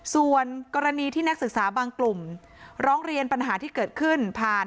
ส่วนกรณีที่นักศึกษาบางกลุ่มร้องเรียนปัญหาที่เกิดขึ้นผ่าน